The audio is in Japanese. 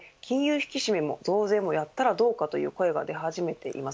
引き締めも増税もやったらどうかという声が出始めています。